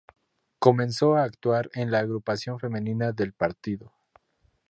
Comenzó a actuar en la Agrupación Femenina del partido.